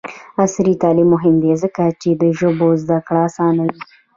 عصري تعلیم مهم دی ځکه چې د ژبو زدکړه اسانوي.